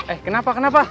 eh kenapa kenapa